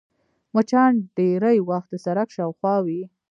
مچان ډېری وخت د سړک شاوخوا وي